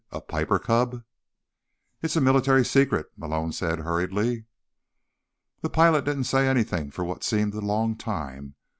"A Piper Cub?" "It's a military secret," Malone said hurriedly. The pilot didn't say anything for what seemed a long time.